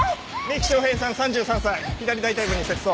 三木翔平さん３３歳左大腿部に切創。